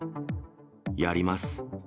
やります。